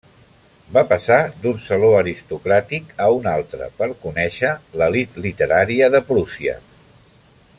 Va passar d'un saló aristocràtic a un altre per conèixer l'elit literària de Prússia.